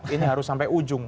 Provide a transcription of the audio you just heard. ini harus sampai ujung